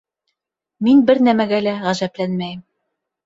Мин бер нәмәгә лә ғәжәпләнмәйем.